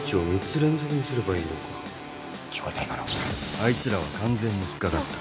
あいつらは完全に引っ掛かった。